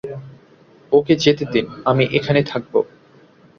ওকে যেতে দিন আমি এখানে থাকব।